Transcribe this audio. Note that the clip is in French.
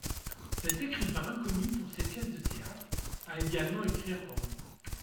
Cet écrivain, connu pour ses pièces de théâtre, a également écrit un roman.